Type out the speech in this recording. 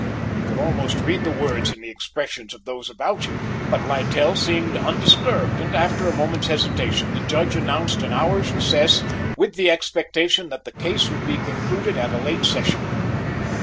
You could almost read the words in the expressions of those about you, but Littell seemed undisturbed and after a moment's hesitation the Judge announced an hour's recess with the expectation that the case would be concluded at a late session.